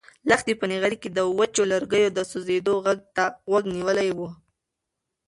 لښتې په نغري کې د وچو لرګیو د سوزېدو غږ ته غوږ نیولی و.